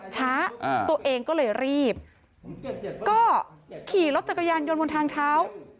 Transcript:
ช้าตัวเองก็เลยรีบก็ขี่รถจักรยานยนต์บนทางเท้า